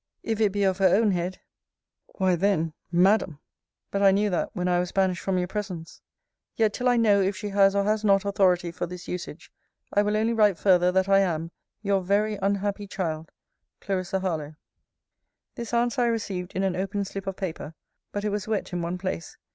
If it be of her own head why then, Madam But I knew that when I was banished from your presence Yet, till I know if she has or has not authority for this usage, I will only write further, that I am Your very unhappy child, CL. HARLOWE. This answer I received in an open slip of paper; but it was wet in one place.